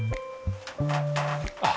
あっ